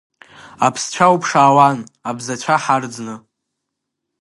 Аԥсцәа уԥшаауан, абзацәа ҳарӡны.